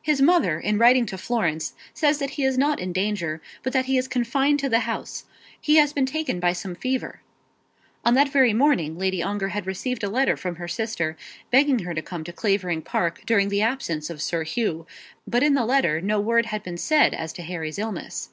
"His mother in writing to Florence says that he is not in danger; but that he is confined to the house. He has been taken by some fever." On that very morning Lady Ongar had received a letter from her sister, begging her to come to Clavering Park during the absence of Sir Hugh; but in the letter no word had been said as to Harry's illness.